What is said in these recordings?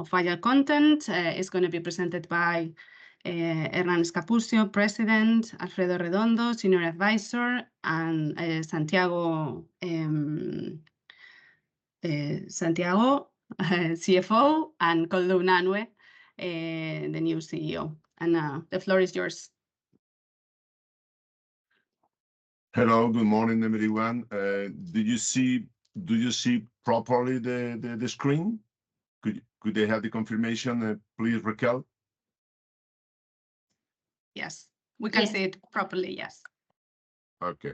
Of Agile Content, is gonna be presented by Hernán Scapusio, President, Alfredo Redondo, Senior Advisor, and Santiago, CFO, and Koldo Unanue, the new CEO. The floor is yours. Hello, good morning, everyone. Do you see properly the screen? Could I have the confirmation, please, Raquel? Yes. Yes. We can see it properly, yes. Okay.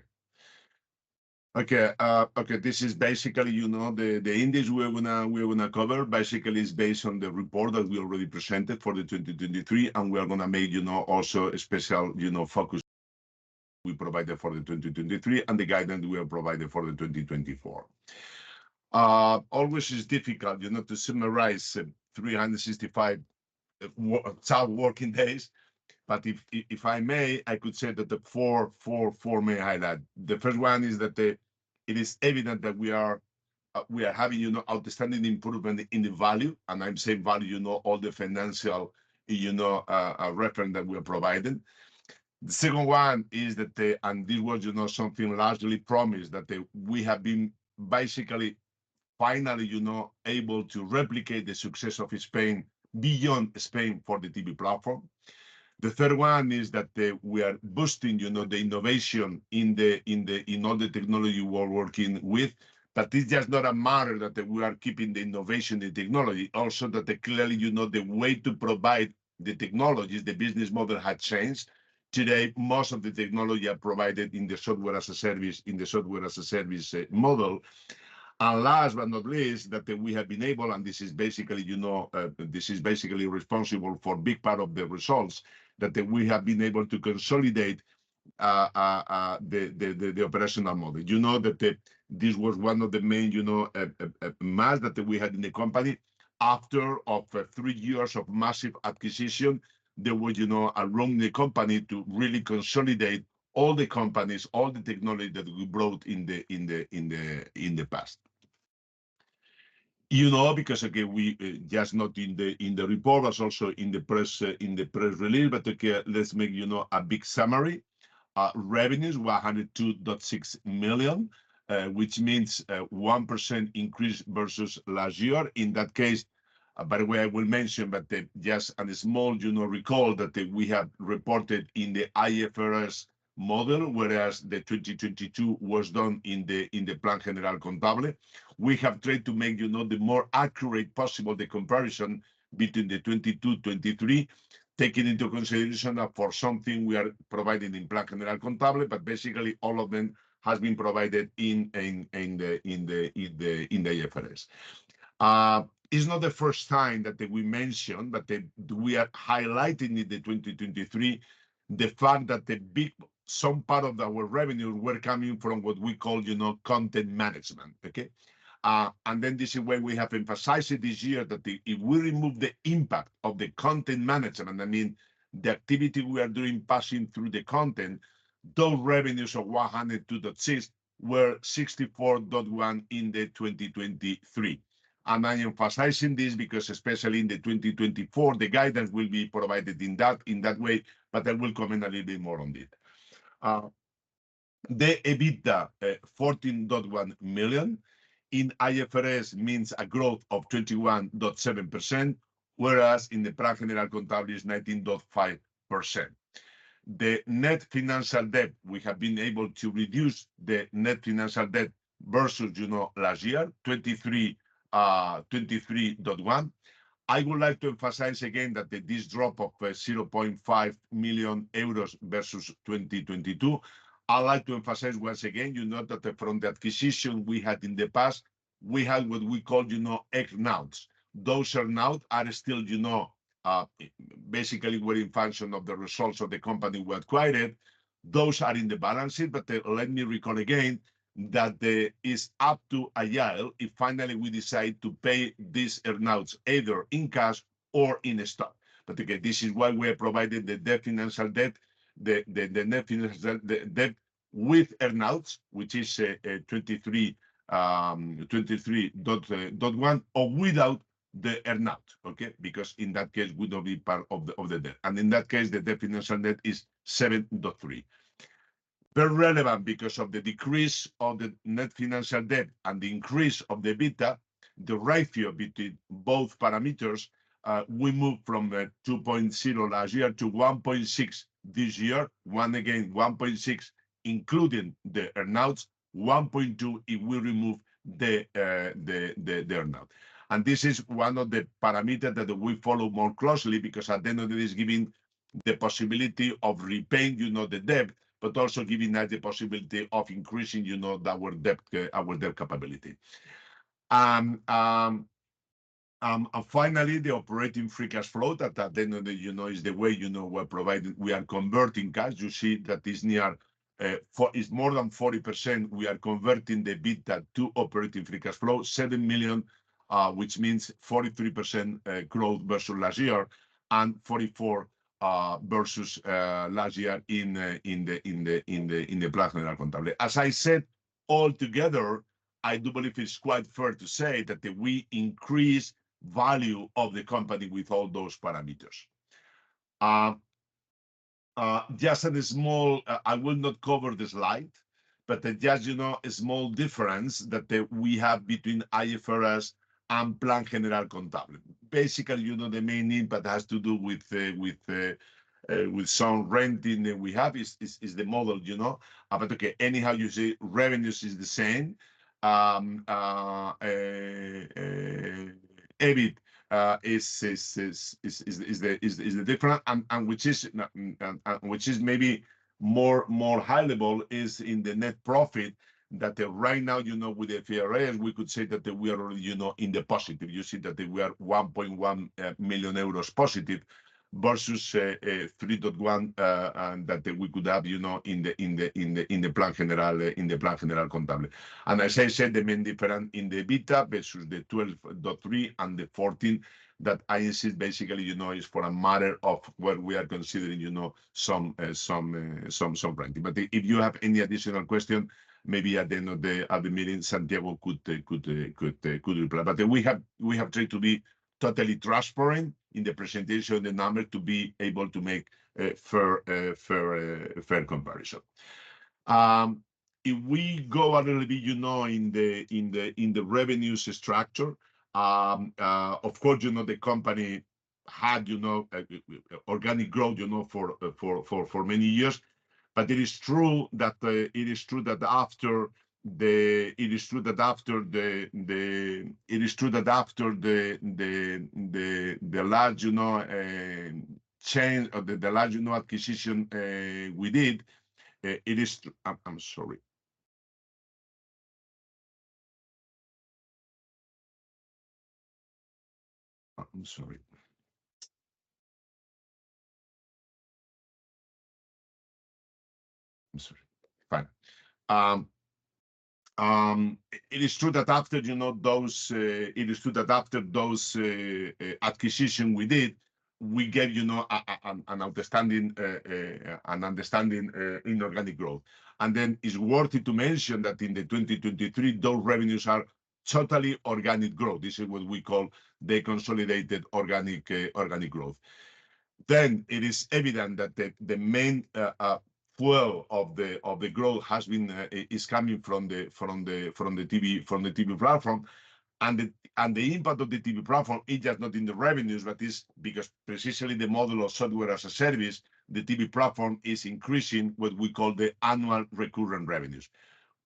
Okay, okay, this is basically, you know, the, the index we're gonna, we're gonna cover basically is based on the report that we already presented for the 2023, and we are gonna make, you know, also a special, you know, focus we provided for the 2023 and the guidance we are providing for the 2024. Always is difficult, you know, to summarize 365 working days, but if I may, I could say that the four main highlight. The first one is that it is evident that we are having, you know, outstanding improvement in the value, and I'm saying value, you know, all the financial reference that we are providing. The second one is that the. And this was, you know, something largely promised, that we have been basically finally, you know, able to replicate the success of Spain beyond Spain for the TV platform. The third one is that we are boosting, you know, the innovation in all the technology we are working with, but it's just not a matter that we are keeping the innovation, the technology, also that clearly, you know, the way to provide the technologies, the business model had changed. Today, most of the technology are provided in the software as a service, in the software as a service model. And last but not least, we have been able, and this is basically, you know, this is basically responsible for big part of the results, that we have been able to consolidate the operational model. You know, that this was one of the main, you know, milestones that we had in the company. After three years of massive acquisition, there was, you know, around the company to really consolidate all the companies, all the technology that we bought in the past. You know, because, again, we not just in the report, but also in the press, in the press release, but, again, let's make, you know, a big summary. Revenues, 102.6 million, which means, 1% increase vs last year. In that case, by the way, I will mention, but just a small, you know, recall that we had reported in the IFRS model, whereas the 2022 was done in the Plan General Contable. We have tried to make, you know, the more accurate possible the comparison between the 2022, 2023, taking into consideration that for something we are providing in Plan General Contable, but basically all of them has been provided in the IFRS. It's not the first time that we mention, but we are highlighting in the 2023, the fact that the big some part of our revenue were coming from what we call, you know, content management. Okay? Then this is where we have emphasized it this year, that if we remove the impact of the content management, I mean, the activity we are doing passing through the content, those revenues of 102.6 million were 64.1 million in 2023. And I am emphasizing this because especially in 2024, the guidance will be provided in that, in that way, but I will comment a little bit more on it. The EBITDA, 14.1 million in IFRS means a growth of 21.7%, whereas in the Plan General Contable, it's 19.5%. The net financial debt, we have been able to reduce the net financial debt vs, you know, last year 23.1. I would like to emphasize again that this drop of 0.5 million euros vs 2022. I'd like to emphasize once again, you know, that from the acquisition we had in the past, we had what we called, you know, earn-outs. Those earn-outs are still, you know, basically in function of the results of the company we acquired. Those are in the balance sheet, but let me recall again that it's up to a year if finally we decide to pay these earn-outs either in cash or in stock. But again, this is why we are providing the net financial debt, the net financial debt, the debt with earn-outs, which is 23.1, or without the earn-out, okay? Because in that case, would not be part of the debt. In that case, the net financial debt is 7.3. Very relevant because of the decrease of the net financial debt and the increase of the EBITDA, the ratio between both parameters, we moved from 2.0 last year to 1.6 this year. Once again, 1.6, including the earn-outs, 1.2, it will remove the, the earn-out. And this is one of the parameters that we follow more closely because at the end of it is giving the possibility of repaying, you know, the debt, but also giving us the possibility of increasing, you know, our debt, our debt capability. And finally, the operating free cash flow that at the end of the, you know, is the way, you know, we're providing. We are converting cash. You see that is near, it's more than 40%, we are converting the EBITDA to operating free cash flow, 7 million, which means 43% growth vs last year, and 44% vs last year in the Plan General Contable. As I said, altogether, I do believe it's quite fair to say that we increase value of the company with all those parameters. Just a small, I will not cover this slide, but just, you know, a small difference that we have between IFRS and Plan General Contable. Basically, you know, the main impact has to do with some renting that we have is the model, you know? But okay, anyhow, you see revenues is the same. EBIT is different, and which is maybe more high level is in the net profit, that right now, you know, with the IFRS, we could say that we are, you know, in the positive. You see that we are 1.1 million euros positive vs 3.1 million, and that we could have, you know, in the Plan General Contable. And as I said, the main difference in the EBITDA vs the 12.3 and the 14, that is basically, you know, is for a matter of what we are considering, you know, some renting. But if you have any additional question, maybe at the end of the meeting, Santiago could reply. But we have tried to be totally transparent in the presentation of the numbers to be able to make a fair comparison. If we go a little bit, you know, in the revenues structure, of course, you know, the company had, you know, organic growth, you know, for many years. But it is true that after the large change or the large acquisition we did, it is, I'm sorry. I'm sorry. I'm sorry. Fine. It is true that after those acquisitions we did, we get, you know, an understanding in organic growth. And then it's worthy to mention that in 2023, those revenues are totally organic growth. This is what we call the consolidated organic growth. Then it is evident that the main flow of the growth has been, is coming from the TV platform. And the impact of the TV platform is just not in the revenues, but is because precisely the model of software as a service, the TV platform is increasing what we call the annual recurring revenues.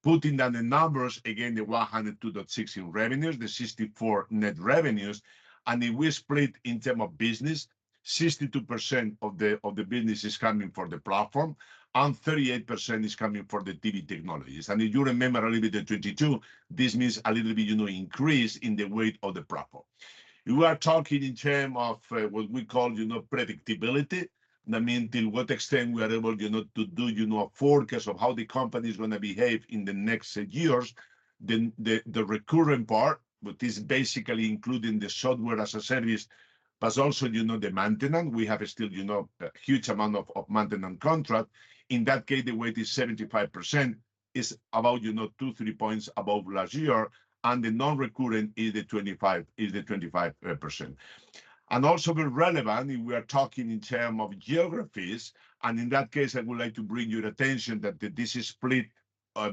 Putting down the numbers, again, the 102.6 in revenues, the 64 net revenues, and if we split in term of business, 62% of the, of the business is coming from the platform, and 38% is coming from the TV technologies. And if you remember a little bit in 2022, this means a little bit, you know, increase in the weight of the platform. We are talking in term of, what we call, you know, predictability. That mean to what extent we are able, you know, to do, you know, a forecast of how the company is gonna behave in the next years. Then the, the recurrent part, which is basically including the software as a service, but also, you know, the maintenance. We have still, you know, a huge amount of, of maintenance contract. In that case, the weight is 75%, is about, you know, two-three points above last year, and the non-recurrent is the 25, is the 25%. And also very relevant, if we are talking in terms of geographies, and in that case, I would like to bring to your attention that this is split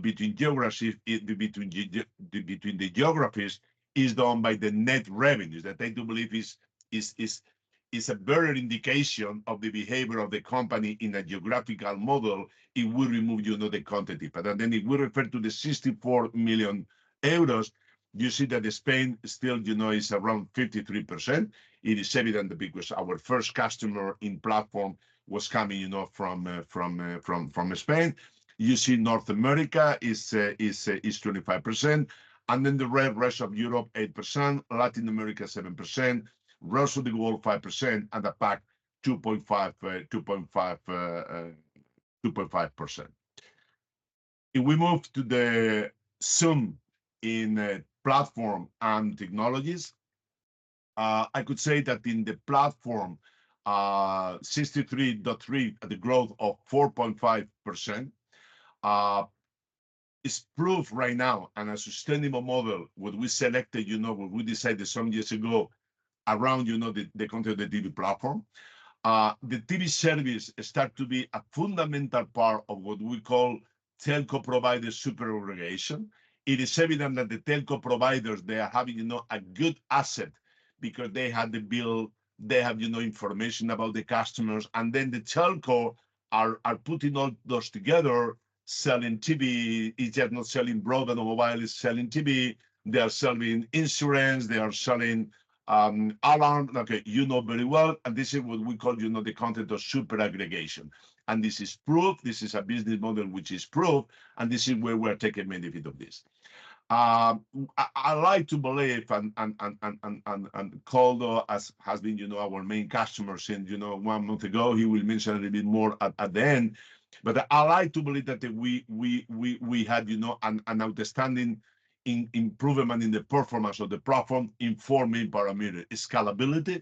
between geographies, between the geographies, is done by the net revenues. That I do believe is a better indication of the behavior of the company in a geographical model. It will remove, you know, the quantity, but then if we refer to the 64 million euros, you see that Spain still, you know, is around 53%. It is evident because our first customer in platform was coming, you know, from, from, from Spain. You see North America is 25%, and then the rest of Europe, 8%, Latin America, 7%, rest of the world, 5%, and the APAC, 2.5%. If we move to the zoom in on platform and technologies, I could say that in the platform, 63.3, the growth of 4.5% is proof right now, and a sustainable model, what we selected, you know, what we decided some years ago around, you know, the content, the TV platform. The TV service start to be a fundamental part of what we call telco provider super aggregation. It is evident that the telco providers, they are having, you know, a good asset because they have the bill, they have, you know, information about the customers, and then the telco are putting all those together, selling TV. It's just not selling broadband or while it's selling TV, they are selling insurance, they are selling alarm. Okay, you know very well, and this is what we call, you know, the content of super aggregation, and this is proof, this is a business model which is proved, and this is where we are taking benefit of this. I like to believe, and Koldo as has been, you know, our main customer since, you know, one month ago, he will mention a little bit more at the end. But I like to believe that we had, you know, an outstanding improvement in the performance of the platform in four main parameter. Scalability,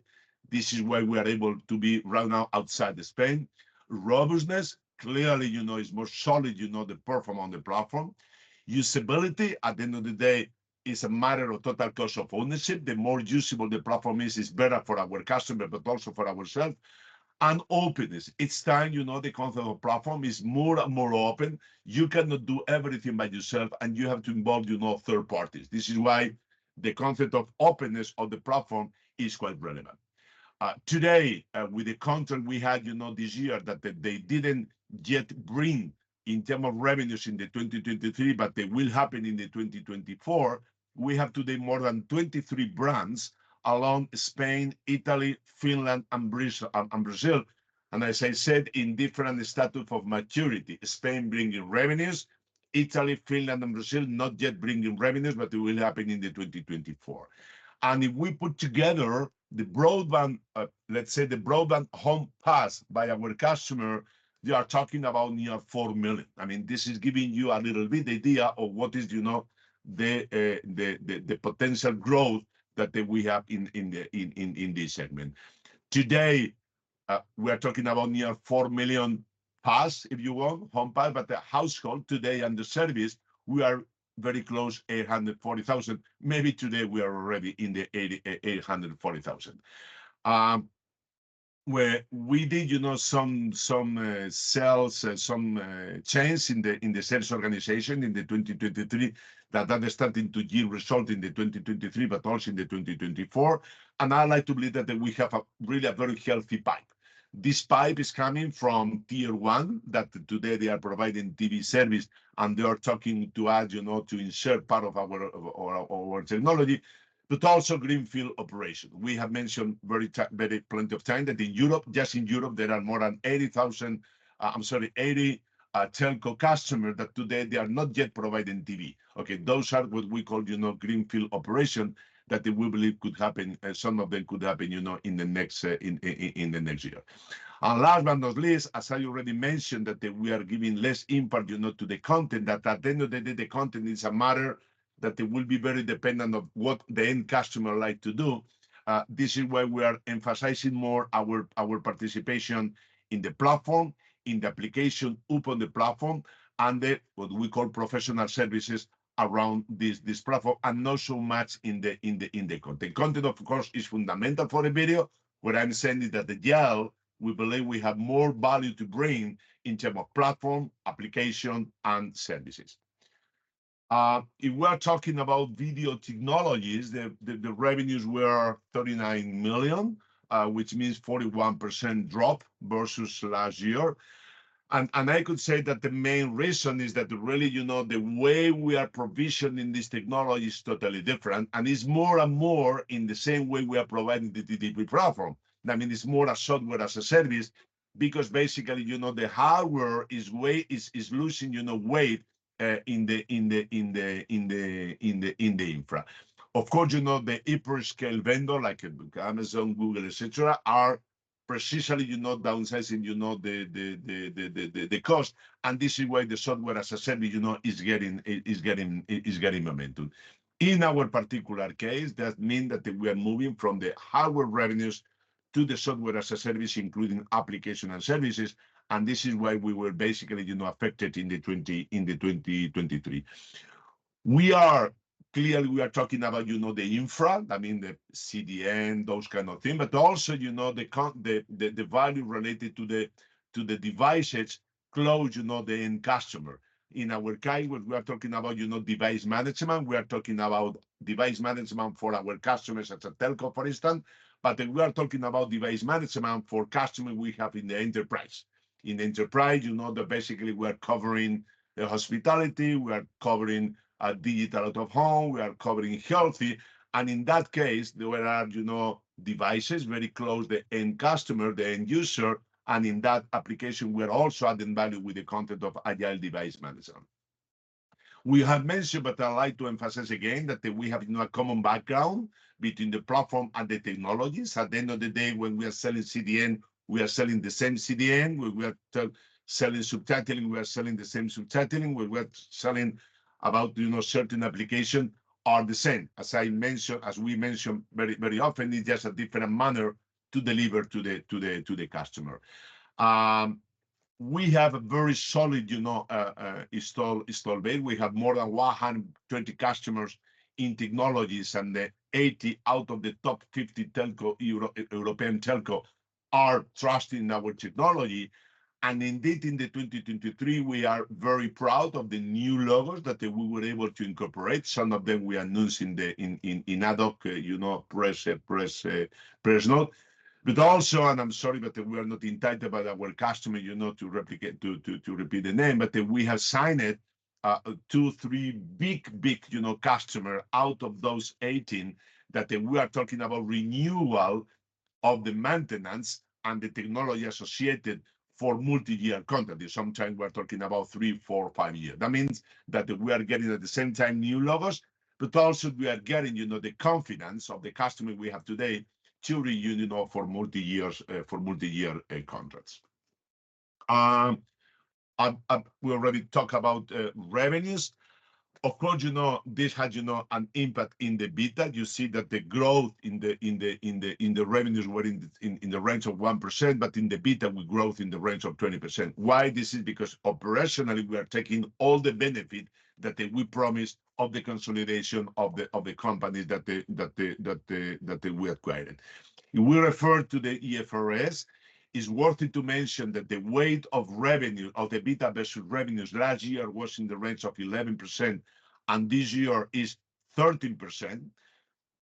this is where we are able to be right now outside Spain. Robustness, clearly, you know, it's more solid, you know, the performance on the platform. Usability, at the end of the day is a matter of total cost of ownership. The more usable the platform is, it's better for our customer, but also for ourselves. And openness, it's time, you know, the concept of platform is more and more open. You cannot do everything by yourself, and you have to involve, you know, third parties. This is why the concept of openness of the platform is quite relevant. Today, with the content we had, you know, this year, that they, they didn't yet bring in term of revenues in the 2023, but they will happen in the 2024. We have today more than 23 brands along Spain, Italy, Finland, and Brazil, and Brazil, and as I said, in different stages of maturity. Spain bringing revenues, Italy, Finland, and Brazil not yet bringing revenues, but it will happen in the 2024. And if we put together the broadband, let's say the broadband home pass by our customer, we are talking about near four million. I mean, this is giving you a little bit idea of what is, you know, the, the, the, the potential growth that we have in, in the, in, in this segment. Today, we're talking about near 4 million pass, if you want, home pass, but the household today and the service, we are very close to 840,000. Maybe today we are already in the 800 and 40,000. Where we did, you know, some sales, some change in the sales organization in 2023, that they're starting to give result in 2023, but also in 2024, and I like to believe that we have really a very healthy pipe. This pipe is coming from tier one, that today they are providing TV service, and they are talking to us, you know, to ensure part of our, of our, our technology, but also greenfield operation. We have mentioned very very plenty of time that in Europe, just in Europe, there are more than 80,000 telco customer that today they are not yet providing TV. Okay, those are what we call, you know, greenfield operation, that we believe could happen, and some of them could happen, you know, in the next year. And last but not least, as I already mentioned, that we are giving less impact, you know, to the content. That at the end of the day, the content is a matter that they will be very dependent of what the end customer like to do. This is why we are emphasizing more our participation in the platform, in the application upon the platform, and what we call professional services around this platform, and not so much in the content. Content, of course, is fundamental for the video. What I'm saying is that at Agile, we believe we have more value to bring in term of platform, application, and services. If we are talking about video technologies, the revenues were 39 million, which means 41% drop vs last year. And I could say that the main reason is that really, you know, the way we are provisioning this technology is totally different, and it's more and more in the same way we are providing the TV platform. I mean, it's more a software as a service, because basically, you know, the hardware is way, is losing, you know, weight in the infra. Of course, you know, the hyperscale vendor, like Amazon, Google, et cetera, are precisely, you know, downsizing, you know, the cost, and this is why the software as a service, you know, is getting momentum. In our particular case, that mean that we are moving from the hardware revenues to the software as a service, including application and services, and this is why we were basically, you know, affected in 2023. We are. Clearly, we are talking about, you know, the infra, I mean, the CDN, those kind of things, but also, you know, the value related to the, to the devices close, you know, the end customer. In our case, we are talking about, you know, device management, we are talking about device management for our customers as a telco, for instance. But we are talking about device management for customer we have in the enterprise. In enterprise, you know, basically, we are covering the hospitality, we are covering digital out of home, we are covering healthy, and in that case, there are, you know, devices very close to end customer, the end user, and in that application, we are also adding value with the Content of ICL device management. We have mentioned, but I like to emphasize again, that we have, you know, a common background between the platform and the technologies. At the end of the day, when we are selling CDN, we are selling the same CDN. When we are selling subtitling, we are selling the same subtitling. When we are selling about, you know, certain application, are the same. As I mentioned, as we mentioned very, very often, it's just a different manner to deliver to the customer. We have a very solid, you know, installed base. We have more than 120 customers in technologies, and 80% of the top 50 European telcos are trusting our technology. And indeed, in 2023, we are very proud of the new logos that we were able to incorporate. Some of them we announce in the ad hoc, you know, press note. But also, I'm sorry, but we are not entitled by our customer, you know, to replicate, to repeat the name, but we have signed two, three big, big, you know, customer out of those 18, that we are talking about renewal of the maintenance and the technology associated for multi-year contract. Sometimes we're talking about three, four, five year. That means that we are getting, at the same time, new logos, but also we are getting, you know, the confidence of the customer we have today to renew, you know, for multi years, for multi-year contracts. We already talk about revenues. Of course, you know, this had, you know, an impact in the EBITDA. You see that the growth in the revenues were in the range of 1%, but in the EBITDA, we growth in the range of 20%. Why this is? Because operationally, we are taking all the benefit that we promised of the consolidation of the companies that we acquired. If we refer to the IFRS, it's worth it to mention that the weight of revenue, of the EBITDA vs revenues last year was in the range of 11%, and this year is 13%.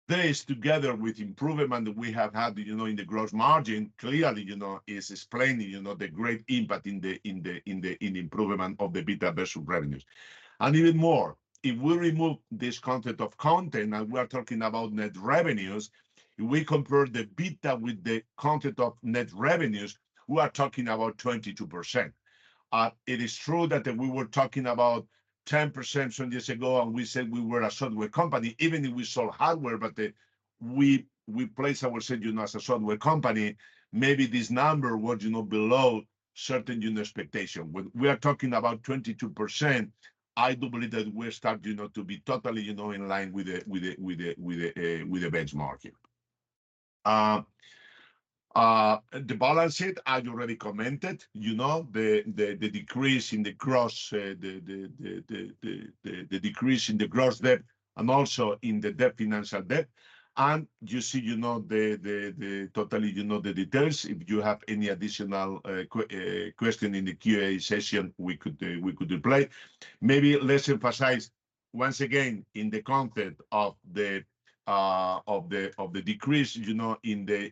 This, together with improvement that we have had, you know, in the gross margin, clearly, you know, is explaining, you know, the great impact in the improvement of the EBITDA vs revenues. And even more, if we remove this content of content, and we are talking about net revenues, if we compare the EBITDA with the content of net revenues, we are talking about 22%. It is true that we were talking about 10% some years ago, and we said we were a software company, even if we sold hardware, but we place ourselves, you know, as a software company. Maybe this number was, you know, below certain, you know, expectation. When we are talking about 22%, I do believe that we're starting, you know, to be totally, you know, in line with the benchmarking. The balance sheet, I already commented, you know, the decrease in the gross debt and also in the net financial debt. And you see, you know, the total details. If you have any additional question in the QA session, we could reply. Maybe let's emphasize once again the content of the decrease, you know, in the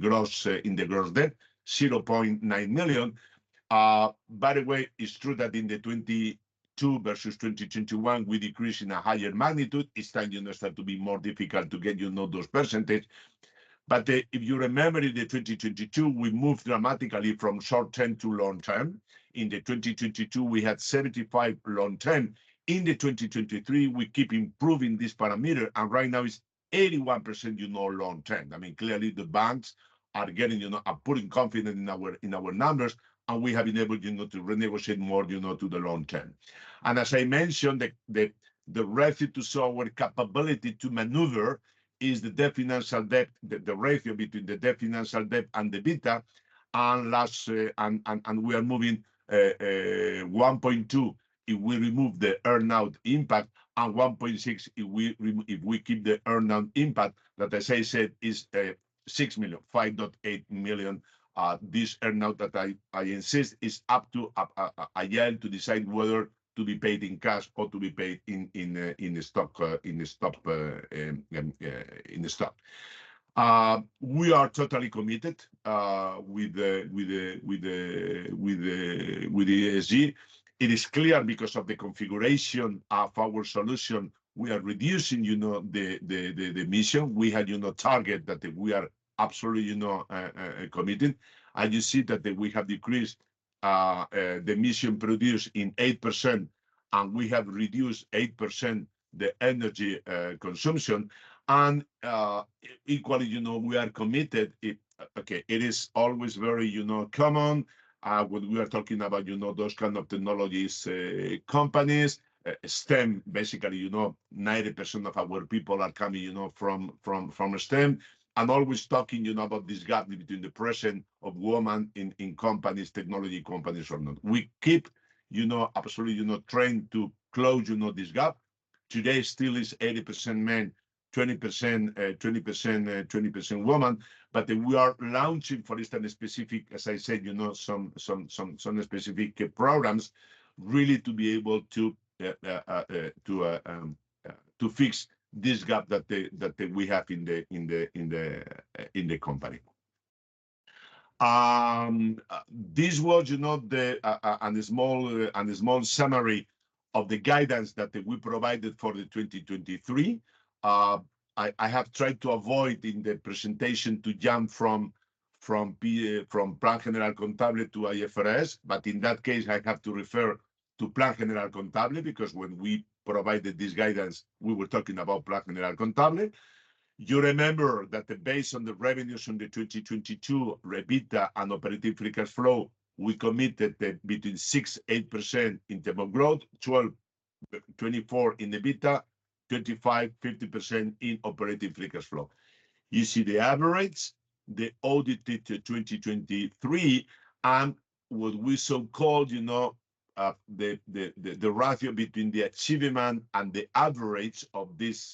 gross debt, 0.9 million. By the way, it's true that in the 2022 vs 2021, we decreased in a higher magnitude. It's starting, you know, to be more difficult to get, you know, those percentage. But the. If you remember, in 2022, we moved dramatically from short-term to long-term. In 2022, we had 75 long-term. In 2023, we keep improving this parameter, and right now, it's 81%, you know, long-term. I mean, clearly the banks are getting, you know, are putting confidence in our, in our numbers, and we have enabled, you know, to renegotiate more, you know, to the long term. And as I mentioned, the ratio to our capability to maneuver is the net financial debt, the ratio between the net financial debt and the EBITDA. And last, and we are moving 1.2 if we remove the earn-out impact, and 1.6 if we keep the earn-out impact, that, as I said, is 6 million, 5.8 million. This earn-out that I insist is up to Agile to decide whether to be paid in cash or to be paid in the stock, in the stock, in the stock. We are totally committed with the ESG. It is clear because of the configuration of our solution, we are reducing, you know, the emission. We had, you know, target that we are absolutely, you know, committed. And you see that we have decreased the emission produced in 8%, and we have reduced 8% the energy consumption. And equally, you know, we are committed it. Okay, it is always very, you know, common when we are talking about, you know, those kind of technologies, companies, STEM. Basically, you know, 90% of our people are coming, you know, from STEM, and always talking, you know, about this gap between the presence of women in companies, technology companies or not. We keep, you know, absolutely, you know, trying to close, you know, this gap. Today still is 80% men, 20% women, but we are launching, for instance, specific, as I said, you know, some specific programs really to be able to fix this gap that we have in the company. This was, you know, a small summary of the guidance that we provided for 2023. I have tried to avoid in the presentation to jump from Plan General Contable to IFRS, but in that case, I have to refer to Plan General Contable, because when we provided this guidance, we were talking about Plan General Contable. You remember that based on the revenues from the 2022 EBITDA and operating free cash flow, we committed between 6%-8% in terms of growth, 12%-24% in the EBITDA, 25%-50% in operating free cash flow. You see the average, the audited 2023, and what we so-called, you know, the ratio between the achievement and the average of this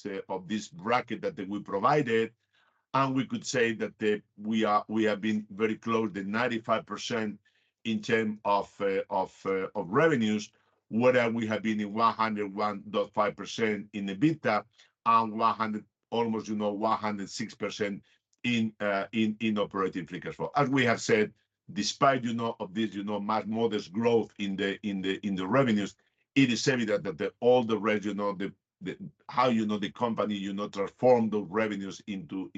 bracket that we provided, and we could say that we have been very close to 95% in terms of revenues, where we have been in 101.5% in the EBITDA and 100, almost, you know, 106% in operating free cash flow. As we have said, despite you know of this, you know, much modest growth in the revenues, it is evident that you know, how the company, you know, transform the revenues into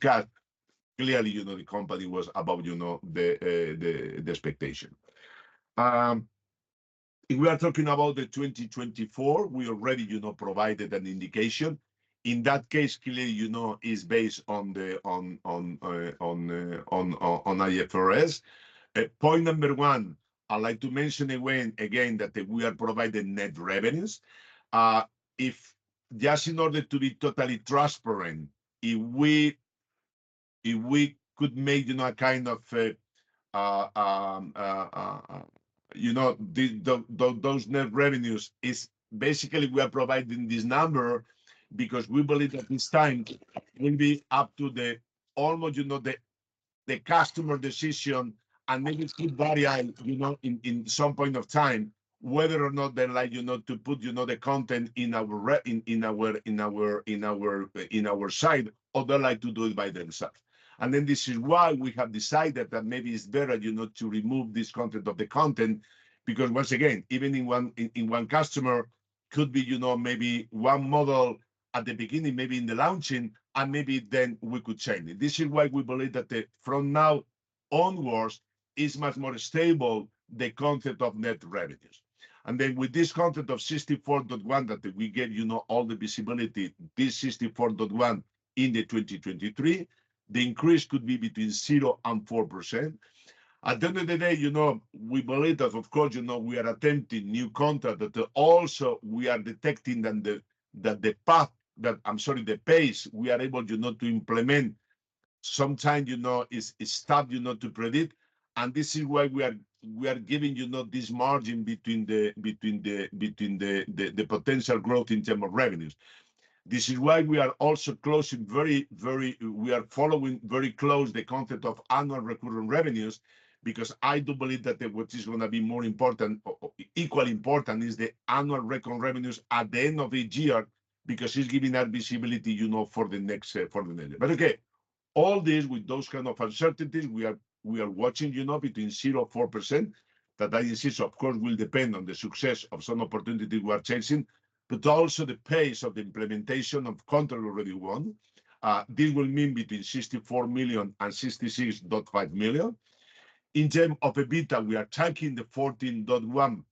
cash. Clearly, you know, the company was above, you know, the expectation. If we are talking about 2024, we already, you know, provided an indication. In that case, clearly, you know, it's based on the IFRS. Point number one, I'd like to mention again that we are providing net revenues. If, just in order to be totally transparent, if we could make, you know, a kind of, you know, those net revenues, is basically we are providing this number because we believe that this time will be up to the almost, you know, the customer decision and maybe it could vary, you know, in some point of time, whether or not they like, you know, to put, you know, the content in our side, or they like to do it by themselves. And then this is why we have decided that maybe it's better, you know, to remove this content of the content, because once again, even in one customer, could be, you know, maybe one model at the beginning, maybe in the launching, and maybe then we could change it. This is why we believe that from now onwards is much more stable, the concept of net revenues. And then with this content of 64.1 that we get, you know, all the visibility, this 64.1 in the 2023, the increase could be between 0% and 4%. At the end of the day, you know, we believe that of course, you know, we are attempting new contract, that also we are detecting that the path. That, I'm sorry, the pace we are able, you know, to implement sometimes, you know, is tough, you know, to predict. This is why we are giving, you know, this margin between the potential growth in terms of revenues. This is why we are also following very close the concept of annual recurring revenues, because I do believe that what is gonna be more important or equally important is the annual recurring revenues at the end of each year, because it's giving that visibility, you know, for the next year. But okay, all this with those kind of uncertainties, we are, we are watching, you know, between 0%-4%, that I insist, of course, will depend on the success of some opportunity we are chasing, but also the pace of the implementation of contract already won. This will mean between 64 million and 66.5 million. In term of EBITDA, we are tracking the 14.1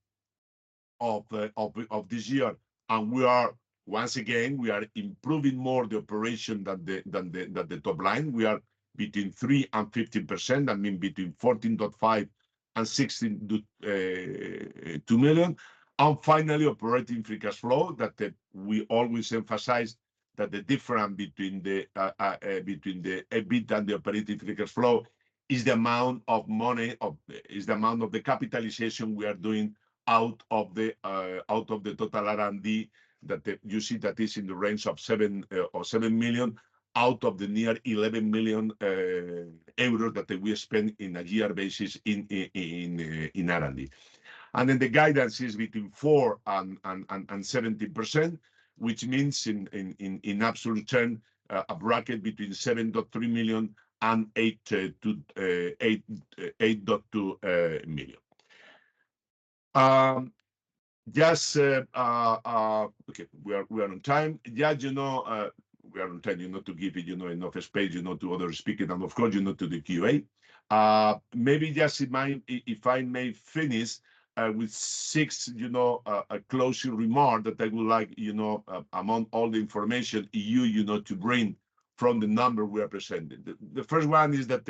of this year, and we are, once again, we are improving more the operation than the top line. We are between 3%-15%, that mean between 14.5 billion and 16.2 million. And finally, operating free cash flow, that we always emphasize that the difference between the EBITDA and the operating free cash flow is the amount of the capitalization we are doing out of the total R&D. You see that is in the range of 7 million, out of the near 11 million euro that we spend in a year basis in R&D. And then the guidance is between 4%-17%, which means in absolute term a bracket between 7.3 million-8.2 million. Just. Okay, we are on time. Yeah, you know, we are on time, you know, to give, you know, enough space, you know, to other speakers and of course, you know, to the QA. Maybe just if I may finish with this, you know, a closing remark that I would like, you know, among all the information, you know, to bring from the number we are presenting. The first one is that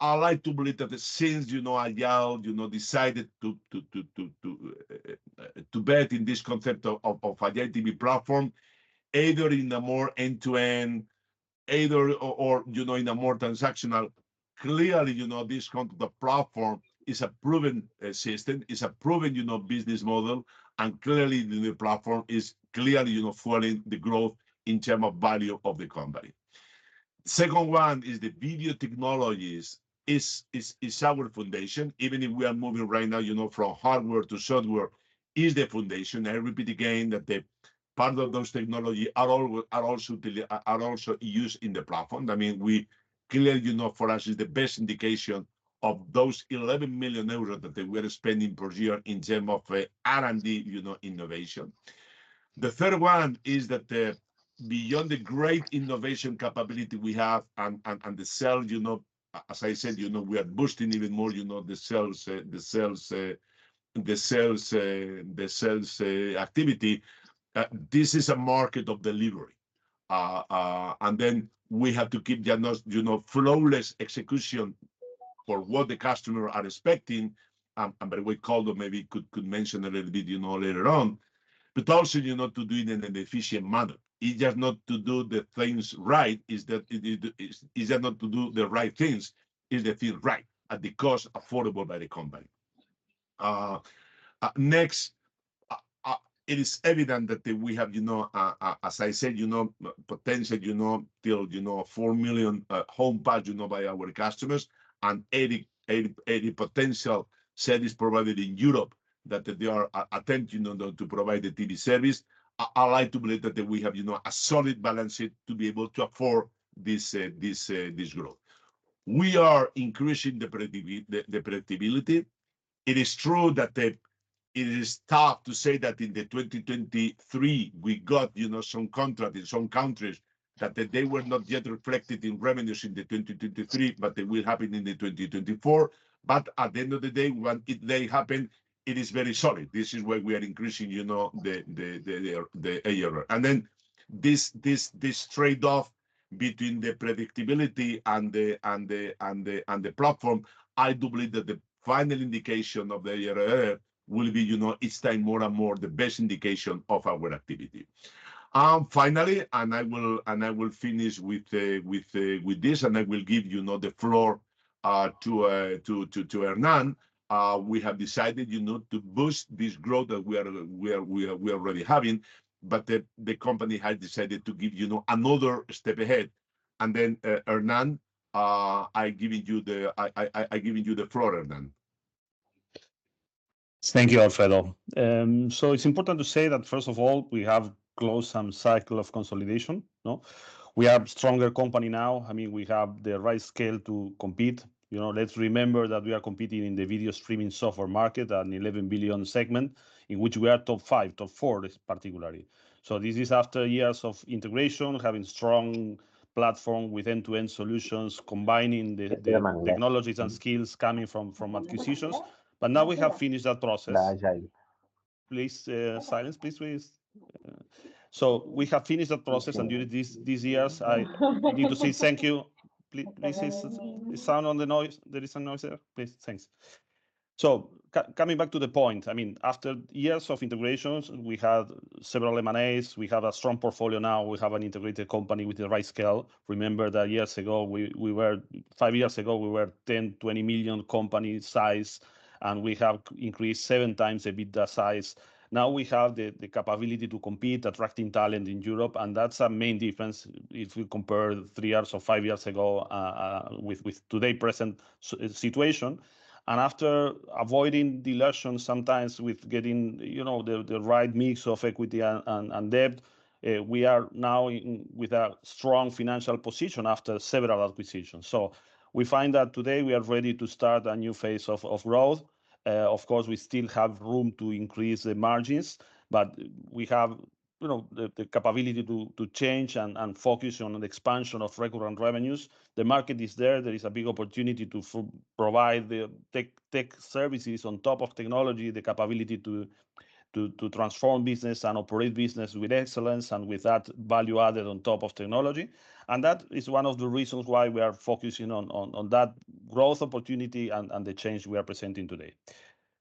I like to believe that since, you know, Agile, you know, decided to bet on this concept of Agile TV platform, either in a more end-to-end or in a more transactional, clearly, you know, this, the platform is a proven system, a proven business model, and clearly the platform is fueling the growth in terms of value of the company. Second one is the video technologies is our foundation, even if we are moving right now, you know, from hardware to software, is the foundation. I repeat again that the part of those technologies are also built, are also used in the platform. I mean, we clearly, you know, for us is the best indication of those 11 million euros that we are spending per year in terms of R&D, you know, innovation. The third one is that, beyond the great innovation capability we have, and the sales, you know, as I said, you know, we are boosting even more, you know, the sales activity. This is a market of delivery. And then we have to keep the, you know, flawless execution for what the customer are expecting, and by the way, Koldo maybe could mention a little bit, you know, later on. But also, you know, to do it in an efficient manner. It's just not to do the things right, it's just not to do the right things, to feel right at the cost affordable by the company. It is evident that we have, you know, as I said, you know, potential, you know, build, you know, 4 million homes passed, you know, by our customers, and 80 potential cities provided in Europe that they are attempting, you know, to provide the TV service. I like to believe that we have, you know, a solid balance sheet to be able to afford this growth. We are increasing the predictability. It is true that it is tough to say that in 2023 we got, you know, some contract in some countries- That they were not yet reflected in revenues in the 2023, but they will happen in the 2024. But at the end of the day, when they happen, it is very solid. This is where we are increasing, you know, the AR. And then this trade-off between the predictability and the platform, I do believe that the final indication of the ARR will be, you know, each time more and more the best indication of our activity. Finally, I will finish with this, and I will give, you know, the floor to Hernán. We have decided, you know, to boost this growth that we are already having, but the company has decided to give, you know, another step ahead. And then, Hernán, I'm giving you the floor, Hernán. Thank you, Alfredo. So it's important to say that first of all, we have closed some cycle of consolidation, no? We are a stronger company now. I mean, we have the right scale to compete. You know, let's remember that we are competing in the video streaming software market, an 11 billion segment, in which we are top five, top four, this particularly. So this is after years of integration, having strong platform with end-to-end solutions, combining the. The technologies and skills coming from, from acquisitions. But now we have finished that process. Please, silence please, please. So we have finished that process, and during these years, I need to say thank you. Please, is there sound on the noise? There is some noise there. Please. Thanks. So coming back to the point, I mean, after years of integrations, we have several M&As. We have a strong portfolio now. We have an integrated company with the right scale. Remember that years ago, we were. Five years ago, we were 10 million-20 million company size, and we have increased seven times the EBITDA size. Now, we have the capability to compete, attracting talent in Europe, and that's a main difference if you compare three years or five years ago with today present situation. After avoiding dilution, sometimes with getting, you know, the right mix of equity and debt, we are now in with a strong financial position after several acquisitions. We find that today we are ready to start a new phase of growth. Of course, we still have room to increase the margins, but we have, you know, the capability to change and focus on the expansion of recurring revenues. The market is there. There is a big opportunity to provide the tech services on top of technology, the capability to transform business and operate business with excellence, and with that, value added on top of technology. And that is one of the reasons why we are focusing on that growth opportunity and the change we are presenting today.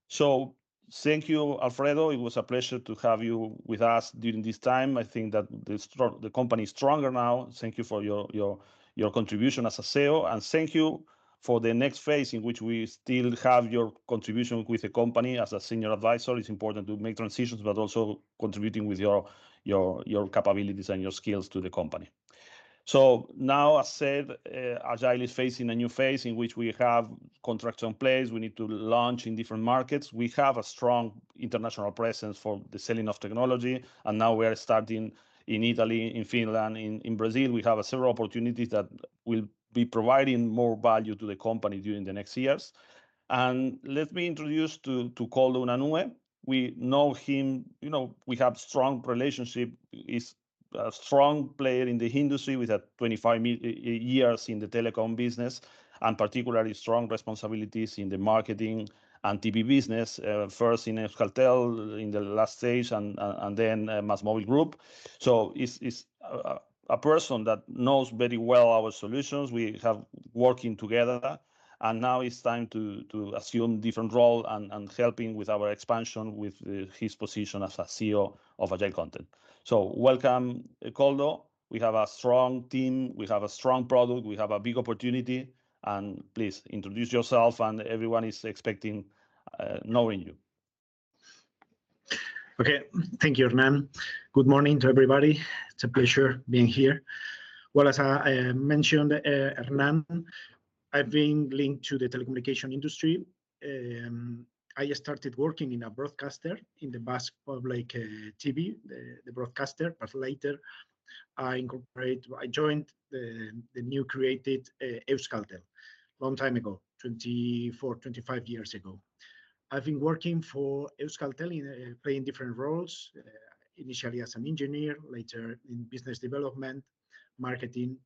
So thank you, Alfredo. It was a pleasure to have you with us during this time. I think that the company is stronger now. Thank you for your contribution as a CEO, and thank you for the next phase in which we still have your contribution with the company as a senior advisor. It's important to make transitions, but also contributing with your capabilities and your skills to the company. So now, as said, Agile is facing a new phase in which we have contracts in place. We need to launch in different markets. We have a strong international presence for the selling of technology, and now we are starting in Italy, in Finland, in Brazil. We have several opportunities that will be providing more value to the company during the next years. And let me introduce to Koldo Unanue. We know him, you know, we have strong relationship. He's a strong player in the industry, with 25 years in the telecom business, and particularly strong responsibilities in the marketing and TV business, first in Euskaltel, in the last stage, and then Masmovil Group. So he's a person that knows very well our solutions. We have working together, and now it's time to assume different role and helping with our expansion with his position as a CEO of Agile Content. So welcome, Koldo. We have a strong team, we have a strong product, we have a big opportunity, and please introduce yourself, and everyone is expecting knowing you. Okay. Thank you, Hernán. Good morning to everybody. It's a pleasure being here. Well, as I mentioned, Hernán, I've been linked to the telecommunication industry. I started working in a broadcaster, in the Basque Public TV, the broadcaster, but later I joined the new created Euskaltel, long time ago, 24, 25 years ago. I've been working for Euskaltel in playing different roles, initially as an engineer, later in business development, marketing,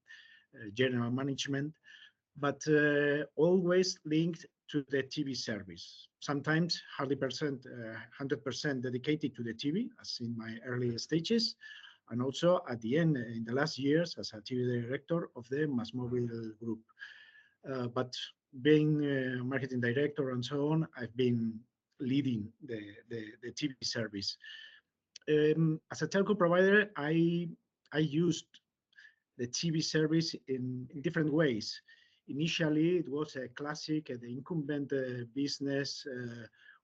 general management, but always linked to the TV service. Sometimes 100%, 100% dedicated to the TV, as in my earlier stages, and also at the end, in the last years, as a TV director of the MASMOVIL Group. But being a marketing director and so on, I've been leading the TV service. As a telco provider, I used the TV service in different ways. Initially, it was a classic the incumbent business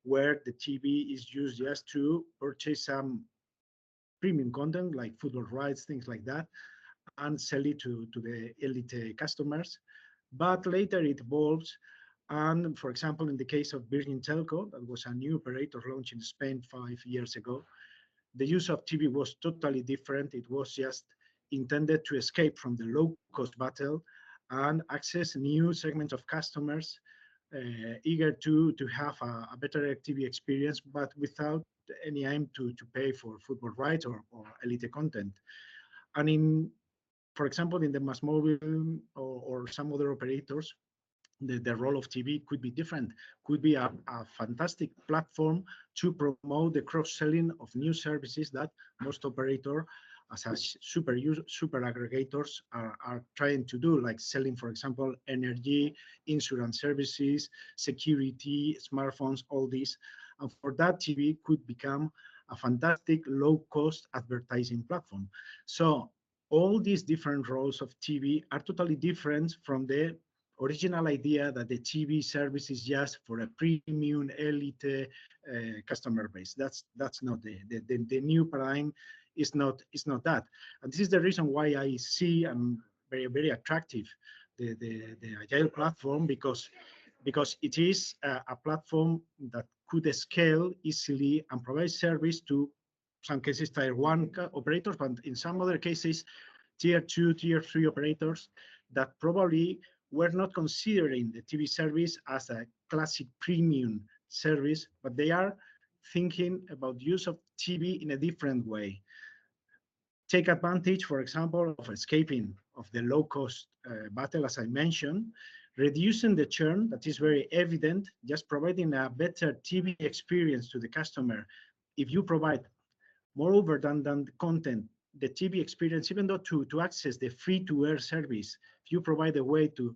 where the TV is used just to purchase some premium content, like football rights, things like that, and sell it to the elite customers. But later it evolved, and for example, in the case of Virgin Telco, that was a new operator launched in Spain five years ago, the use of TV was totally different. It was just intended to escape from the low-cost battle and access new segments of customers eager to have a better TV experience, but without any aim to pay for football rights or elite content. I mean, for example, in the MásMóvil, or some other operators, the role of TV could be different. Could be a fantastic platform to promote the cross-selling of new services that most operators, as super aggregators are trying to do, like selling, for example, energy, insurance services, security, smartphones, all these. And for that, TV could become a fantastic low-cost advertising platform. So all these different roles of TV are totally different from the original idea that the TV service is just for a premium elite customer base. That's not. The new paradigm is not that. This is the reason why I see very, very attractive the Agile platform because it is a platform that could scale easily and provide service to some cases tier one operators, but in some other cases tier two, tier three operators that probably were not considering the TV service as a classic premium service, but they are thinking about use of TV in a different way. Take advantage, for example, of escaping the low-cost battle, as I mentioned, reducing the churn, that is very evident, just providing a better TV experience to the customer. If you provide more redundant content, the TV experience, even though to access the free-to-air service, if you provide a way to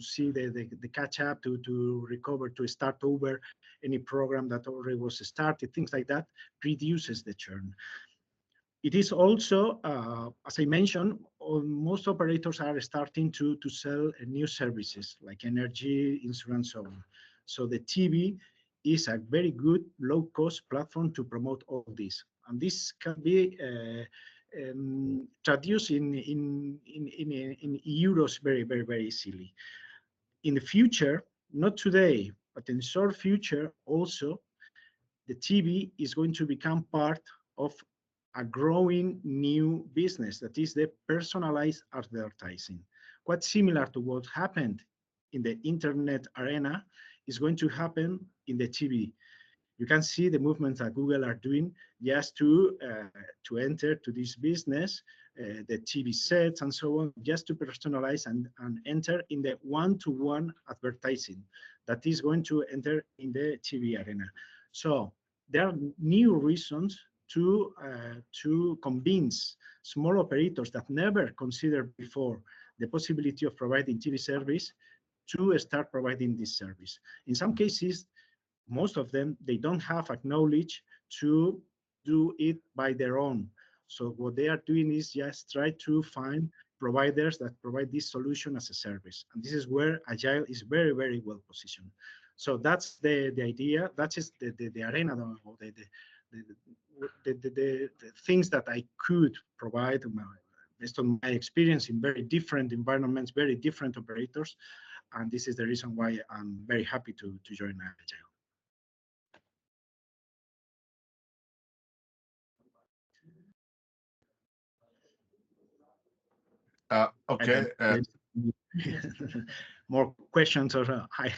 see the catch-up, to recover, to start over any program that already was started, things like that reduces the churn. It is also, as I mentioned, most operators are starting to sell new services, like energy, insurance, and so on. So the TV is a very good low-cost platform to promote all this. And this can be translating in euros very easily. In the future, not today, but in the short future also, the TV is going to become part of a growing new business, that is the personalized advertising. What is similar to what happened in the internet arena is going to happen in the TV. You can see the movements that Google are doing just to, to enter to this business, the TV sets and so on, just to personalize and, and enter in the one-to-one advertising that is going to enter in the TV Arena. So there are new reasons to, to convince small operators that never considered before the possibility of providing TV service, to start providing this service. In some cases, most of them, they don't have knowledge to do it on their own. So what they are doing is just try to find providers that provide this solution as a service, and this is where Agile is very, very well positioned. So that's the idea, that is the things that I could provide based on my experience in very different environments, very different operators, and this is the reason why I'm very happy to join Agile. Okay. More questions, or I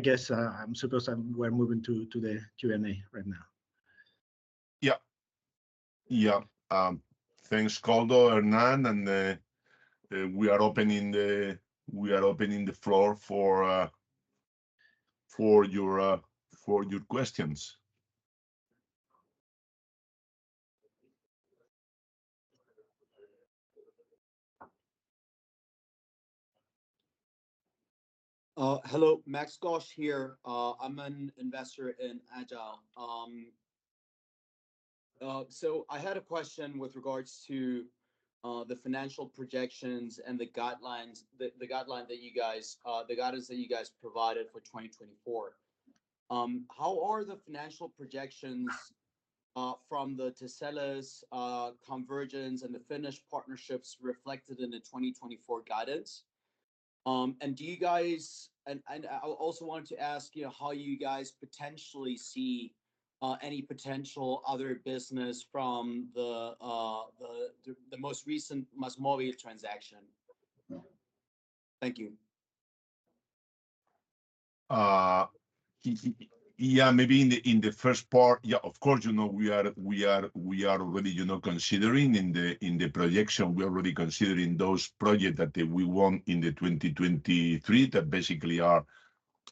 guess we're moving to the Q&A right now. Yeah. Yeah, thanks, Koldo, Hernán, and we are opening the floor for your questions. Hello, Max Gosh here. I'm an investor in Agile. So I had a question with regards to the financial projections and the guidelines, the guideline that you guys the guidance that you guys provided for 2024. How are the financial projections from the Tiscali, Convergenze and the Finnish partnerships reflected in the 2024 guidance? And do you guys and I also wanted to ask, you know, how you guys potentially see any potential other business from the the most recent MASMOVIL transaction? Thank you. Yeah, maybe in the first part, yeah, of course, you know, we are already considering in the projection, we are already considering those projects that we want in the 2023, that basically are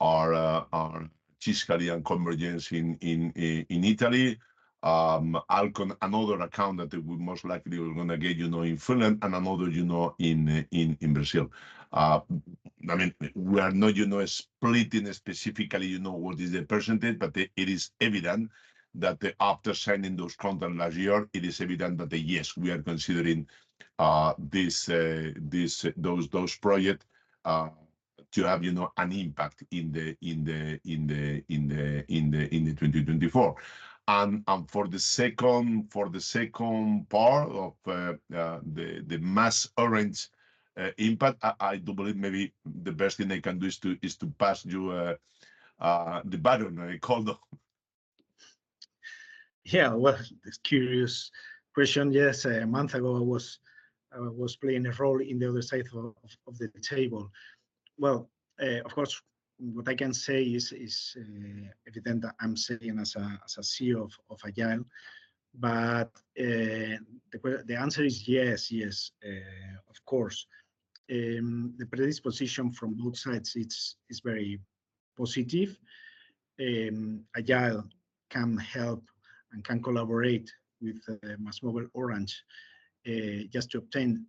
Tiscali and Convergenze in Italy. Ålcom, another account that we most likely we're gonna get, you know, in Finland, and another, you know, in Brazil. I mean, we are not, you know, splitting specifically, you know, what is the percentage, but it is evident that after signing those content last year, it is evident that, yes, we are considering those projects to have, you know, an impact in the 2024. And for the second part of the MasOrange impact, I do believe maybe the best thing I can do is to pass you the button, Koldo. Yeah. Well, it's a curious question. Yes, a month ago, I was playing a role in the other side of the table. Well, of course, what I can say is evident that I'm sitting as a CEO of Agile. But the answer is yes. Yes, of course. The predisposition from both sides, it's very positive. Agile can help and can collaborate with MASMOVIL Orange, just to obtain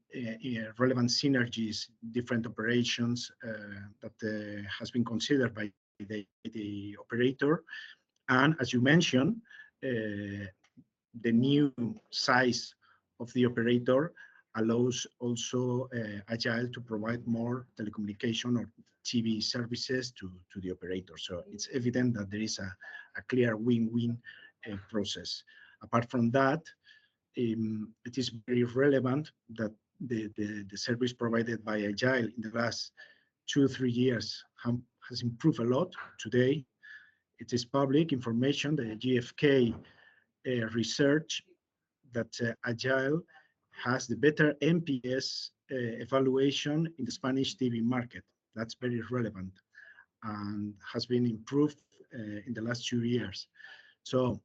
relevant synergies, different operations that has been considered by the operator. And as you mention, the new size of the operator allows also Agile to provide more telecommunication or TV services to the operator. So it's evident that there is a clear win-win process. Apart from that, it is very relevant that the service provided by Agile in the last two or three years has improved a lot. Today, it is public information, the GfK research, that Agile has the better NPS evaluation in the Spanish TV market. That's very relevant, and has been improved in the last two years. So,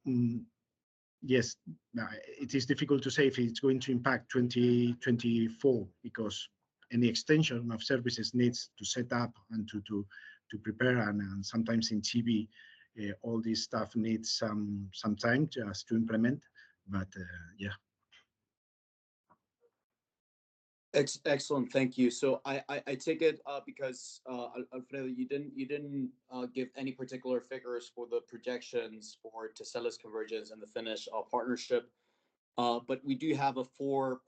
yes, no, it is difficult to say if it's going to impact 2024, because any extension of services needs to set up and to prepare, and sometimes in TV, all this stuff needs some time just to implement. But. Excellent. Thank you. So I take it, because, Alfredo, you didn't give any particular figures for the projections for Tiscali, Convergenze and the Finnish partnership. But we do have a 4%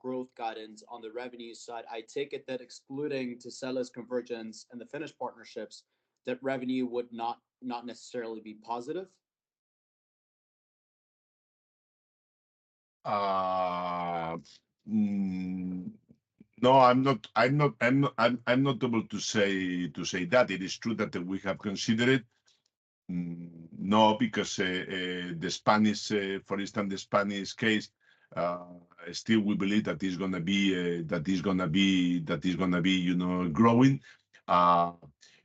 growth guidance on the revenue side. I take it that excluding Tiscali, Convergenze and the Finnish partnerships, that revenue would not necessarily be positive? No, I'm not able to say that. It is true that we have considered it. No, because the Spanish, for instance, the Spanish case, still we believe that it's gonna be growing.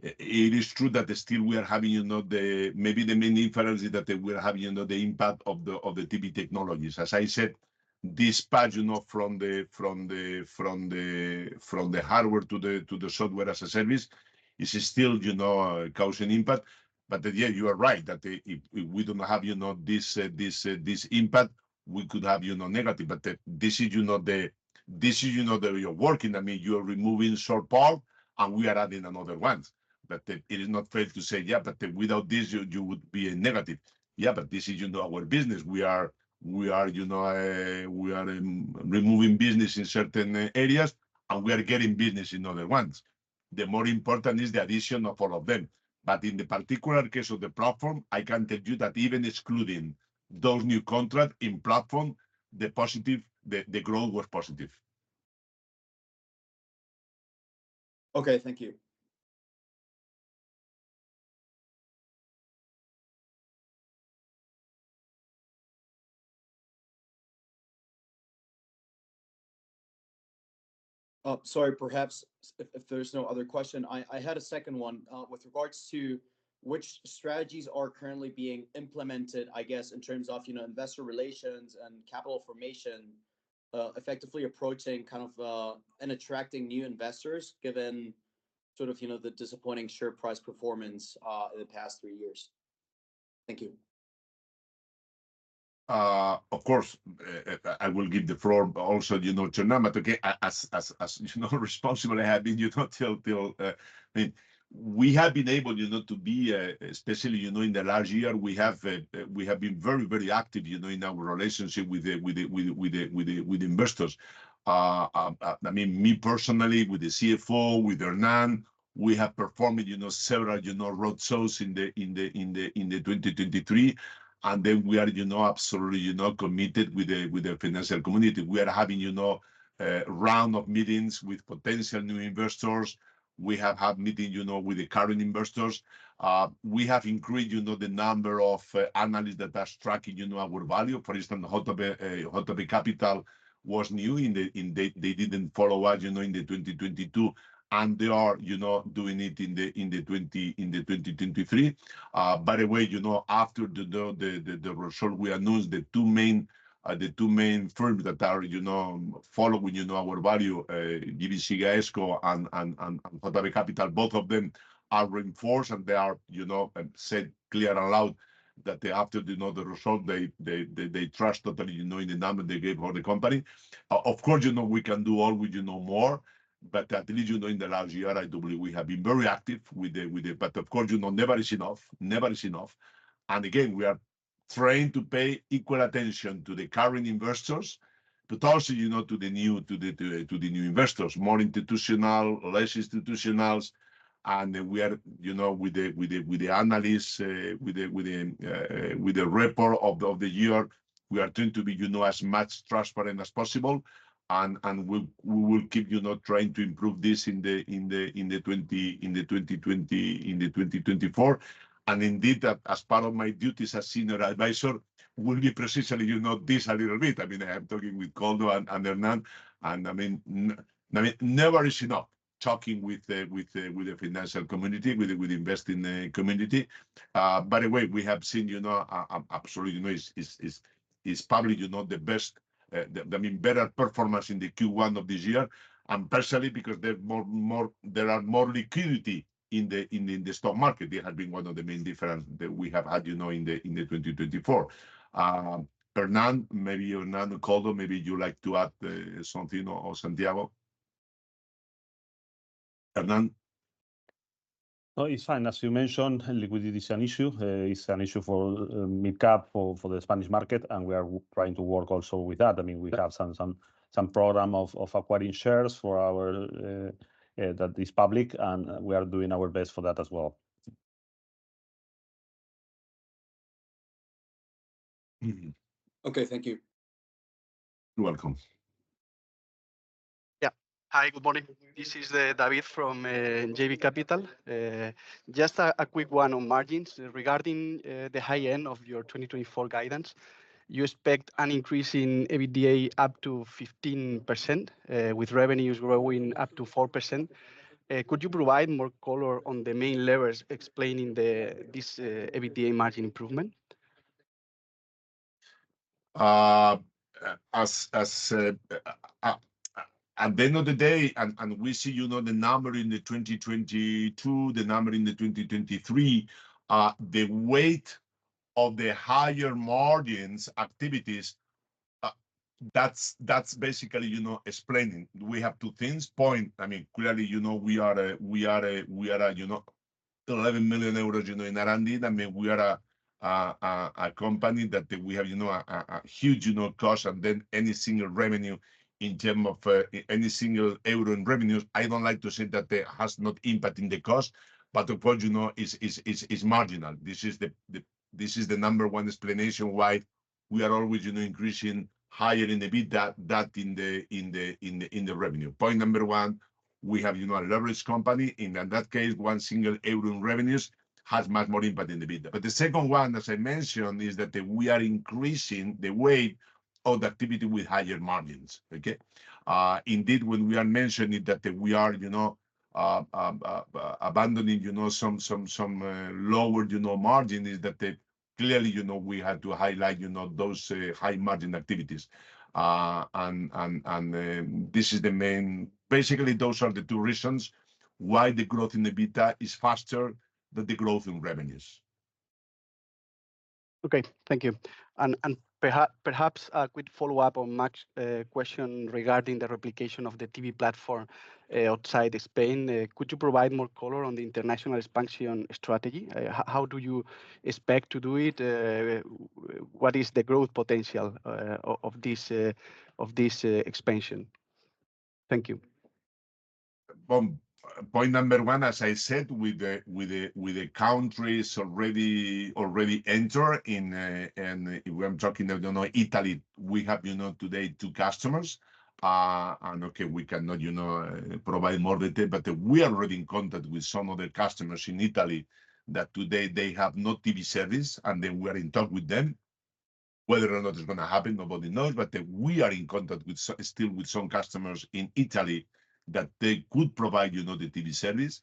It is true that still we are having, you know, the main influence that we are having, you know, the impact of the TV technologies. As I said, this part, you know, from the hardware to the software as a service, this is still, you know, cause an impact. But yeah, you are right, that if we don't have, you know, this impact, we could have, you know, negative. But this is, you know, this is, you know, the way you're working. I mean, you are removing short part, and we are adding another one. But it is not fair to say, "Yeah, but without this, you would be a negative." Yeah, but this is, you know, our business. We are, you know, removing business in certain areas, and we are getting business in other ones. The more important is the addition of all of them. But in the particular case of the platform, I can tell you that even excluding those new contract in platform, the positive. the growth was positive. Okay, thank you. Sorry, perhaps if, if there's no other question, I, I had a second one, with regards to which strategies are currently being implemented, I guess, in terms of, you know, investor relations and capital formation, effectively approaching kind of, and attracting new investors, given sort of, you know, the disappointing share price performance, in the past three years? Thank you. Of course, I will give the floor, but also, you know, to Nam, but again, as you know, responsible I have been, you know, till. I mean, we have been able, you know, to be, especially, you know, in the last year, we have been very, very active, you know, in our relationship with investors. I mean, me personally, with the CFO, with Hernán, we have performed, you know, several, you know, road shows in 2023. And then we are, you know, absolutely, you know, committed with the financial community. We are having, you know, round of meetings with potential new investors. We have had meeting, you know, with the current investors. We have increased, you know, the number of, analysts that are tracking, you know, our value. For instance, Hotube, Hotube Capital was new in the, They, they didn't follow us, you know, in the 2022, and they are, you know, doing it in the, in the twenty, in the 2023. By the way, you know, after the, the, the, the result, we announced the two main, the two main firms that are, you know, following, you know, our value, GVC Gaesco and, and, and, and Hotube Capital, both of them are reinforced, and they are, you know, said clear and loud that they after, you know, the result, they, they, they, they trust totally, you know, in the number they gave for the company. Of course, you know, we can do always, you know, more, but at least, you know, in the last year, I believe we have been very active with the. But of course, you know, never is enough. Never is enough. And again, we are trying to pay equal attention to the current investors, but also, you know, to the new investors, more institutional, less institutionals. And we are, you know, with the analysts, with the report of the year, we are trying to be, you know, as much transparent as possible. And we will keep, you know, trying to improve this in the 2024. And indeed, that as part of my duties as senior advisor, will be precisely, you know, this a little bit. I mean, I am talking with Koldo and Hernán, and I mean, never is enough. Talking with the financial community, with the investing community. By the way, we have seen, you know, absolutely, you know, it's, it's, it's, it's probably, you know, the best, the, I mean, better performance in the Q1 of this year, and partially because there are more liquidity in the stock market. That have been one of the main difference that we have had, you know, in the 2024. Hernán, maybe, or Hernán, Koldo, maybe you'd like to add something, or Santiago? Fernando? No, it's fine. As you mentioned, liquidity is an issue. It's an issue for midcap, for the Spanish market, and we are trying to work also with that. I mean, we have some program of acquiring shares for our that is public, and we are doing our best for that as well. Mm-hmm. Okay, thank you. You're welcome. Yeah. Hi, good morning. This is David from JB Capital. Just a quick one on margins. Regarding the high end of your 2024 guidance, you expect an increase in EBITDA up to 15%, with revenues growing up to 4%. Could you provide more color on the main levers explaining this EBITDA margin improvement? At the end of the day, and we see, you know, the number in 2022, the number in 2023, the weight of the higher margins activities, that's basically, you know, explaining. We have two things. Point, I mean, clearly, you know, we are a 11 million euros, you know, in ARR. I mean, we are a company that we have, you know, a huge cost, and then any single revenue in terms of any single euro in revenues, I don't like to say that it has not impact in the cost, but the point, you know, is marginal. This is the. This is the number one explanation why we are always, you know, increasing higher in the EBITDA than in the revenue. Point number one, we have, you know, a leverage company. In that case, one single euro in revenues has much more impact in the EBITDA. But the second one, as I mentioned, is that we are increasing the weight of the activity with higher margins. Okay? Indeed, when we are mentioning that we are, you know, abandoning, you know, some lower, you know, margins, that is, clearly, you know, we had to highlight, you know, those high margin activities. This is the main. Basically, those are the two reasons why the growth in EBITDA is faster than the growth in revenues. Okay, thank you. Perhaps a quick follow-up on Max's question regarding the replication of the TV platform outside Spain. Could you provide more color on the international expansion strategy? How do you expect to do it? What is the growth potential of this expansion? Thank you. Well, point number one, as I said, with the countries already entered in. We are talking of, you know, Italy. We have, you know, today, two customers. And okay, we cannot, you know, provide more detail, but we are already in contact with some of the customers in Italy that today they have no TV service, and then we are in talks with them. Whether or not it's gonna happen, nobody knows, but we are in contact with still some customers in Italy, that they could provide, you know, the TV service.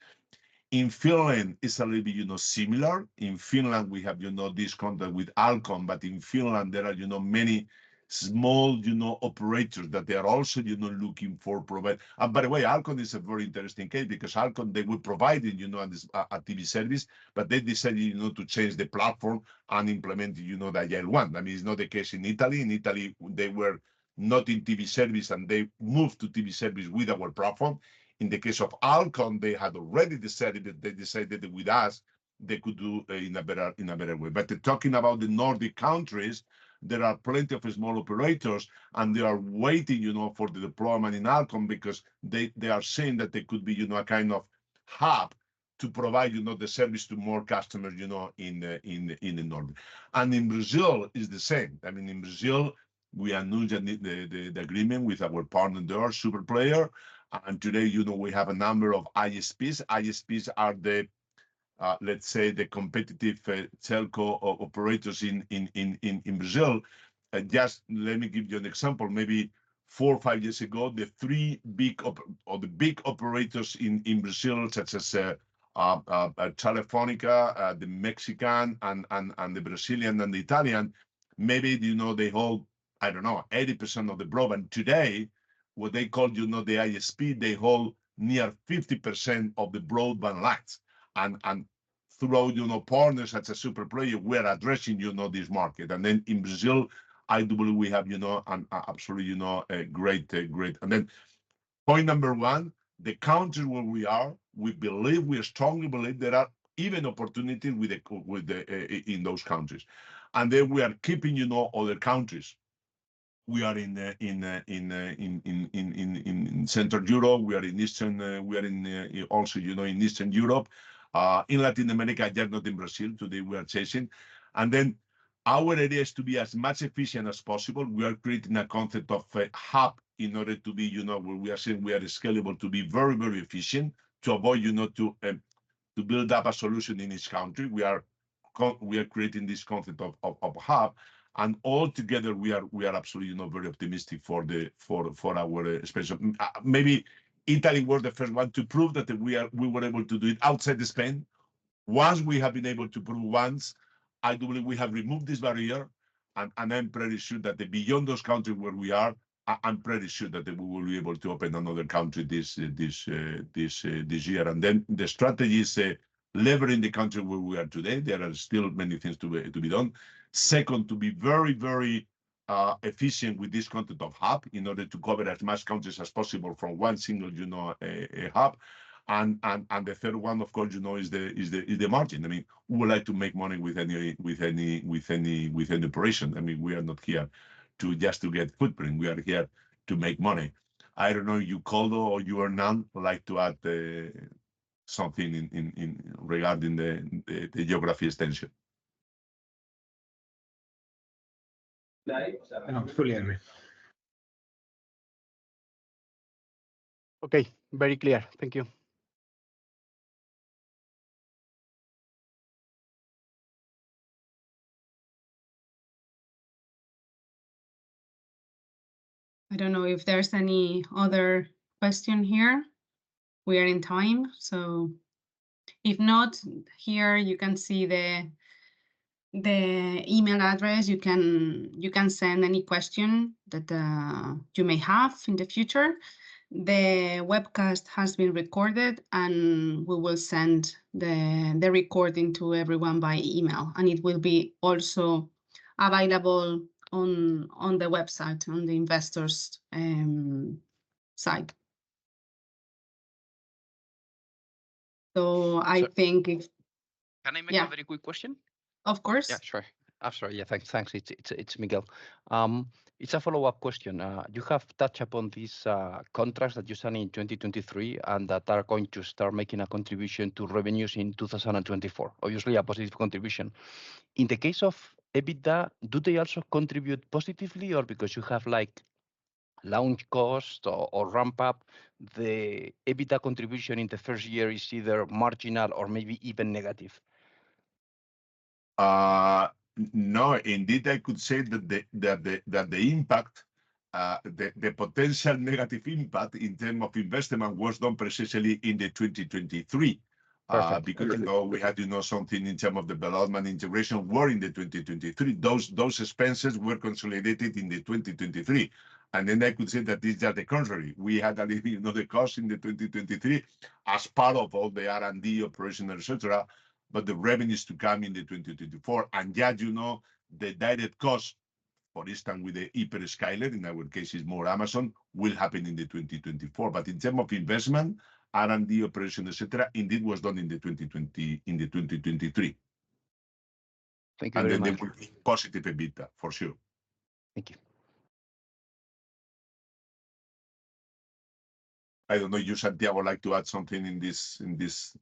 In Finland, it's a little bit, you know, similar. In Finland, we have, you know, this contact with Ålcom, but in Finland there are, you know, many small, you know, operators, that they are also, you know, looking to provide. And by the way, Ålcom is a very interesting case, because Ålcom, they were providing, you know, a TV service, but they decided, you know, to change the platform and implement, you know, the Agile One. I mean, it's not the case in Italy. In Italy, they were not in TV service, and they moved to TV service with our platform. In the case of Ålcom, they had already decided that, they decided that with us, they could do in a better way. But talking about the Nordic countries, there are plenty of small operators, and they are waiting, you know, for the deployment in Ålcom, because they are seeing that they could be, you know, a kind of hub to provide, you know, the service to more customers, you know, in the Nordic. And in Brazil, it's the same. I mean, in Brazil, we announced the agreement with our partner there, Superplayer, and today, you know, we have a number of ISPs. ISPs are the, let's say, the competitive telco operators in Brazil. Just let me give you an example. Maybe four or five years ago, the three big operators in Brazil, such as Telefónica, the Mexican, and the Brazilian and the Italian, maybe, you know, they hold, I don't know, 80% of the broadband. Today, what they call, you know, the ISP, they hold near 50% of the broadband lines. And through, you know, partners such as Superplayer, we are addressing, you know, this market. And then in Brazil, I believe we have, you know, absolutely, you know, a great, great. And then point number one, the countries where we are, we believe, we strongly believe there are even opportunity with the, with the, in, in those countries. And then we are keeping, you know, other countries. We are in, in, in, in, in, in Central Europe, we are in Eastern, we are in, also, you know, in Eastern Europe, in Latin America, yet not in Brazil. Today, we are chasing. And then our idea is to be as much efficient as possible. We are creating a concept of a hub in order to be, you know, where we are saying we are scalable, to be very, very efficient, to avoid, you know, to, to build up a solution in each country. We are creating this concept of a hub, and all together, we are, we are absolutely, you know, very optimistic for our expansion. Maybe Italy were the first one to prove that we were able to do it outside Spain. Once we have been able to prove once, I do believe we have removed this barrier, and I'm pretty sure that beyond those country where we are, I'm pretty sure that we will be able to open another country this year. And then the strategy is to leverage in the country where we are today. There are still many things to be done. Second, to be very, very efficient with this concept of hub in order to cover as many countries as possible from one single, you know, a hub. And the third one, of course, you know, is the margin. I mean, we would like to make money with any operation. I mean, we are not here just to get footprint. We are here to make money. I don't know, you, Koldo, or you, Hernán, would like to add something regarding the geographic extension? No, fully agree. Okay, very clear. Thank you. I don't know if there's any other question here. We are in time, so if not, here you can see the email address. You can send any question that you may have in the future. The webcast has been recorded, and we will send the recording to everyone by email, and it will be also available on the website, on the investors site. So I think if. Can I make. Yeah. A very quick question? Of course. Yeah, sure. Absolutely. Yeah, thanks. Thanks. It's Miguel. It's a follow-up question. You have touched upon these contracts that you signed in 2023, and that are going to start making a contribution to revenues in 2024, or usually a positive contribution. In the case of EBITDA, do they also contribute positively, or because you have, like, launch costs or ramp up, the EBITDA contribution in the first year is either marginal or maybe even negative? No, indeed, I could say that the potential negative impact in terms of investment was done precisely in 2023. Perfect. Because, you know, we had to know something in term of the development, integration were in 2023. Those expenses were consolidated in 2023. And then I could say that these are the contrary. We had a little, you know, the cost in 2023 as part of all the R&D operation, et cetera, but the revenues to come in 2024. And yeah, you know, the direct cost, for instance, with the hyperscale, in our case is more Amazon, will happen in 2024. But in term of investment, R&D, operation, et cetera, indeed was done in 2023. Thank you very much. There will be positive EBITDA, for sure. Thank you. I don't know, you, Santiago, would like to add something in this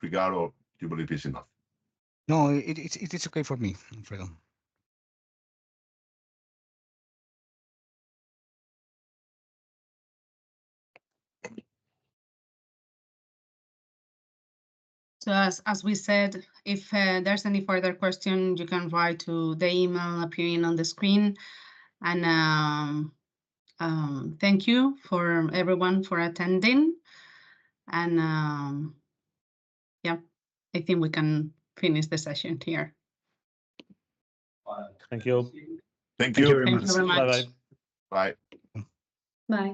regard, or you believe it's enough? No, it's okay for me, Alfredo. So, as we said, if there's any further question, you can write to the email appearing on the screen. Thank you for everyone for attending, and yeah, I think we can finish the session here. Bye. Thank you. Thank you. Thank you very much. Bye-bye. Bye. Bye.